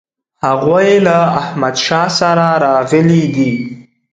هغوی له احمدشاه سره راغلي دي.